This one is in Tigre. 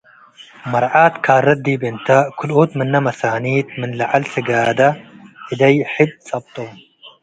መርዓት ካረት ዲብ እንተ፡ ክልኦት ምነ መሳኒት ምን ለዐለ ስጋደ እደይ-ሕድ ጸብጦ ።